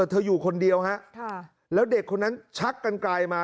เธออยู่คนเดียวฮะแล้วเด็กคนนั้นชักกันไกลมา